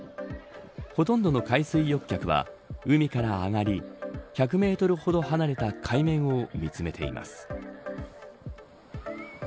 ほとんどの海水浴客は海から上がり１００メートルほど離れた海面を見つめています。